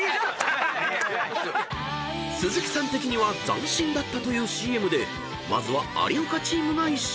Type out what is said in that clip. ［鈴木さん的には斬新だったというＣＭでまずは有岡チームが１勝］